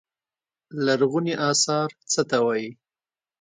لرغوني اثار څه ته وايي.